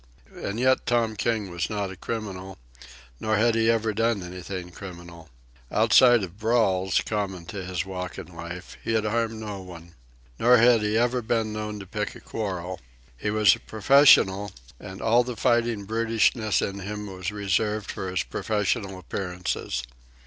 And yet Tom King was not a criminal, nor had he ever done anything criminal. Outside of brawls, common to his walk in life, he had harmed no one. Nor had he ever been known to pick a quarrel. He was a professional, and all the fighting brutishness of him was reserved for his professional appearances.